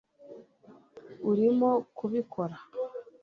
Urimo kubikora